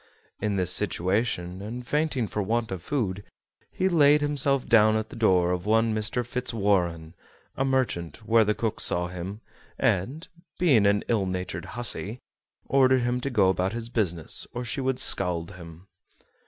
In this situation, and fainting for want of food, he laid himself down at the door of one Mr. Fitzwarren, a merchant, where the cook saw him, and, being an ill natured hussy, ordered him to go about his business or she would scald him.